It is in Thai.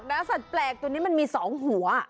สัตว์แปลกตัวนี้มันมี๒หัว